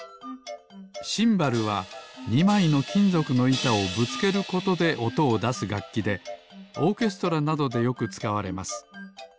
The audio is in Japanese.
シンバルは２まいのきんぞくのいたをぶつけることでおとをだすがっきでオーケストラなどでよくつかわれます